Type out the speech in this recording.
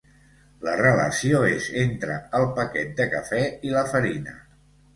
La relació és entre el paquet de cafè i la farina.